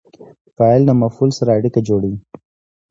فاعل د مفعول سره اړیکه جوړوي.